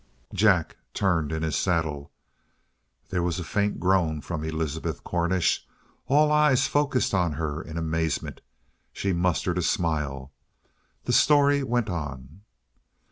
"Jack turned in his saddle " There was a faint groan from Elizabeth Cornish. All eyes focused on her in amazement. She mustered a smile. The story went on.